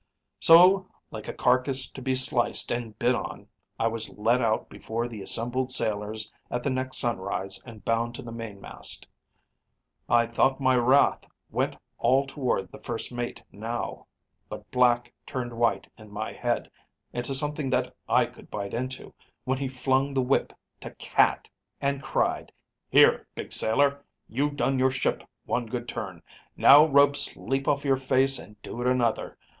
"So, like a carcass to be sliced and bid on, I was lead out before the assembled sailors at the next sunrise and bound to the main mast. I thought my wrath went all toward the first mate now. But black turned white in my head, into something that I could bite into, when he flung the whip to Cat and cried, 'Here, Big Sailor, you've done your ship one good turn. Now rub sleep off your face and do it another.